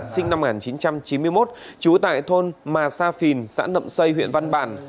sinh năm một nghìn chín trăm chín mươi một trú tại thôn mà sa phìn xã nậm xây huyện văn bản